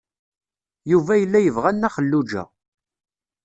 Yuba yella yebɣa Nna Xelluǧa.